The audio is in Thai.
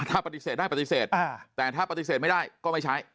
ถ้าปฏิเสธได้ปฏิเสธแต่ถ้าปฏิเสธไม่ได้ก็ไม่ใช้